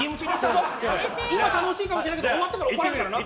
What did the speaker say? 今、楽しいかもしれないけど終わったら怒られるから。